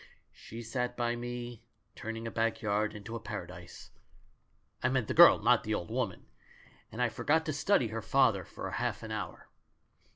She sat by me, turning a backyard into paradise — I mean the girl, not the old woman — and I forgot to study her father for half an hour.